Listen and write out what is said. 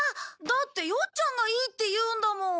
だってよっちゃんがいいって言うんだもん。